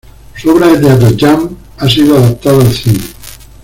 Su obra de teatro "Jump" ha sido adaptada al cine.